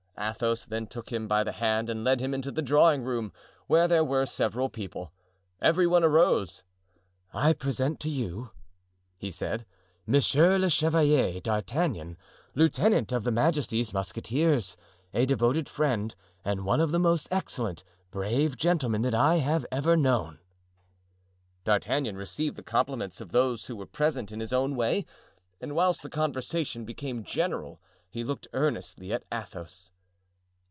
Athos then took him by the hand and led him into the drawing room, where there were several people. Every one arose. "I present to you," he said, "Monsieur le Chevalier D'Artagnan, lieutenant of his majesty's musketeers, a devoted friend and one of the most excellent, brave gentlemen that I have ever known." D'Artagnan received the compliments of those who were present in his own way, and whilst the conversation became general he looked earnestly at Athos.